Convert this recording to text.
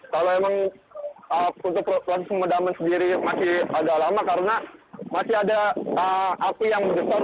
kalau memang untuk proses pemadaman sendiri masih agak lama karena masih ada api yang besar